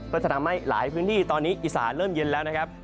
ก็จะทำให้หลายพื้นที่ตอนนี้อีสานเริ่มเย็นแล้วนะครับ